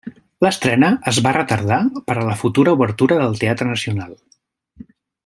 L'estrena es va retardar per a la futura obertura del Teatre Nacional.